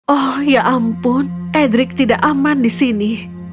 oh ya ampun edric tidak aman di sini